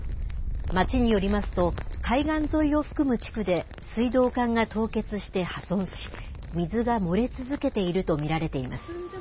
町によりますと、海岸沿いを含む地区で、水道管が凍結して破損し、水が漏れ続けていると見られています。